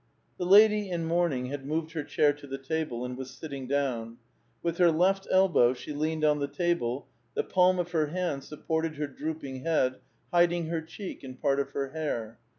The lady in mourning had moved her chair to the table, and was sitting down: with her left elbow she leaned on the table, the palm of her hand supported her drooping head, hiding her cheek and part of her hair.